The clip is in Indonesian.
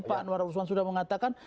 pak anwar usman sudah mengatakan